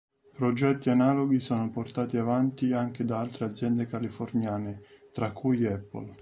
Progetti analoghi sono portati avanti anche da altre aziende californiane, tra cui Apple.